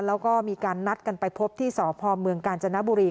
แล้วก็มีการนัดกันไปพบที่สพเมืองกาญจนบุรี